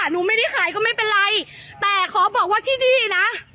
หนูไม่ได้ขายก็ไม่เป็นไรแต่ขอบอกว่าที่นี่นะ